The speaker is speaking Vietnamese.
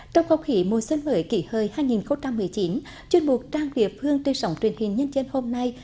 trong khó khỉ mùa xuân mới kỷ hời hai nghìn một mươi chín chuyên mục trang việc hương tư sống truyền hình nhân chân hôm nay